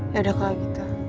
ya udah kalau gitu